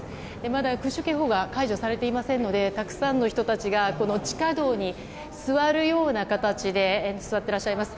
まだ空襲警報が解除されておりませんのでたくさんの人たちが地下道に座るような形で座っていらっしゃいます。